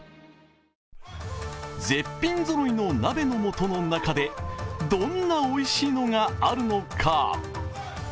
絶品ぞろいの鍋のもとの中で、どんなおいしいのがあるのか。